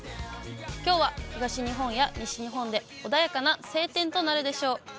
きょうは東日本や西日本で穏やかな晴天となるでしょう。